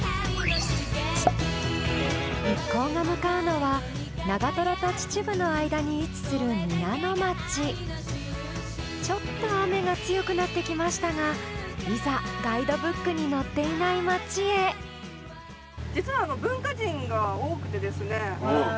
一行が向かうのは長と秩父の間に位置する皆野町ちょっと雨が強くなってきましたがいざガイドブックに載っていない町へ実は文化人が多くてですね。